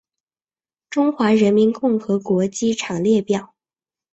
中华人民共和国机场列表